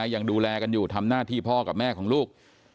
ยังดูแลกันอยู่ทำหน้าที่พ่อกับแม่ของลูก